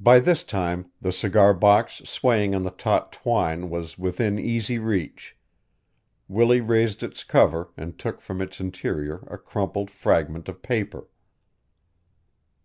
By this time the cigar box swaying on the taut twine was within easy reach. Willie raised its cover and took from its interior a crumpled fragment of paper.